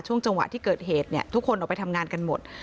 จังหวะที่เกิดเหตุเนี่ยทุกคนออกไปทำงานกันหมด